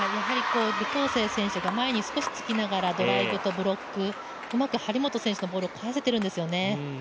李皓晴選手が前に少し突きながらドライブとブロックうまく張本選手のボールを返せているんですよね。